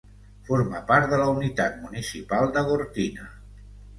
Forma part de la unitat municipal de Gortyna.